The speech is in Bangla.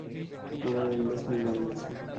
আমার এঙ্গেসমেন্ট হয়ে গেছে।